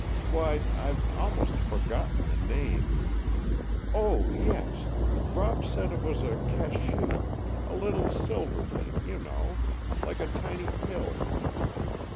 "Why, I've almost forgotten the name. Oh, yes, Rob said it was a cachou—a little silver thing, you know, like a tiny pill.